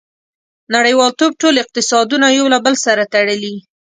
• نړیوالتوب ټول اقتصادونه یو له بل سره تړلي.